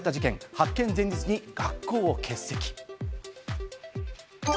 発見前日に学校を欠席。